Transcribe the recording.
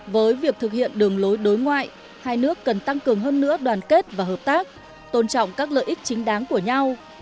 với việc thực hiện đường lối đối ngoại hai nước cần tăng cường hơn nữa đoàn kết và hợp tác tôn trọng các lợi ích chính đáng của nhau